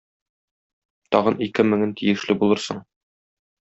Тагын ике меңен тиешле булырсың.